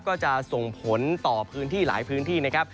ก็จะส่งผลต่อพื้นที่หลายพื้นที่นะครับ